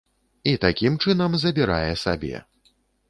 І такім чынам забірае сабе.